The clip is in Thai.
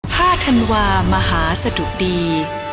ธันวามหาสะดุดี